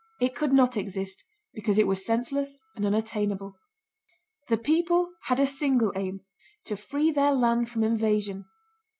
It could not exist because it was senseless and unattainable. The people had a single aim: to free their land from invasion.